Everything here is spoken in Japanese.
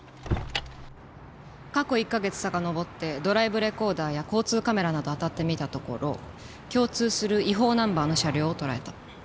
過去１カ月さかのぼってドライブレコーダーや交通カメラなどあたってみたところ共通する違法ナンバーの車両を捉えた。